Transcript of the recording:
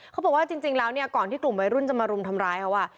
เขาบอกว่าจริงแล้วเนี่ยก่อนที่กลุ่มวัยรุ่นจะมารุมทำร้ายเขา